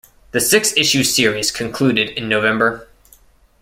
The six-issue series concluded in November.